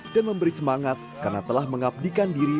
dan memberi semangat karena telah mengabdikan diri